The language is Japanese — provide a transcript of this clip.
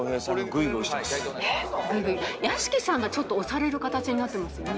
グイグイ屋敷さんがちょっと押される形になってますね。